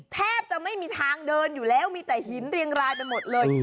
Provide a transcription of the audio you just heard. แทบจะไม่มีทางเดินอยู่แล้วมีแต่หินเรียงรายไปหมดเลย